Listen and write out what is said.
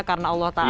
karena allah ta'ala